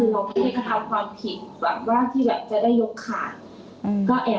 คือเราก็ทำความผิดหวังว่าที่แบบจะได้ยกขาด